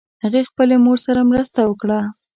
هغې خپلې مور سره ډېر مرسته وکړه